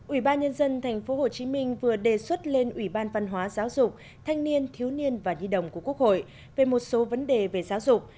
ủy ban nhân dân tp hcm vừa đề xuất lên ủy ban văn hóa giáo dục thanh niên thiếu niên và nhi đồng của quốc hội về một số vấn đề về giáo dục